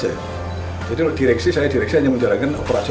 jadi direksi saya direksi hanya menjalankan operasi